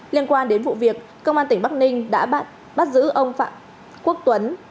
liên quan đến vụ việc công an tỉnh bắc ninh đã bắt giữ ông phạm quốc tuấn